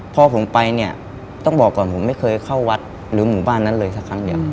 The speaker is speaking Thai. พอผมไปเนี่ยต้องบอกก่อนผมไม่เคยเข้าวัดหรือหมู่บ้านนั้นเลยสักครั้งเดียว